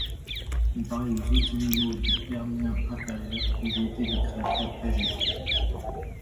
Comparés aux autres animaux du Permien inférieur, ils étaient des créatures agiles.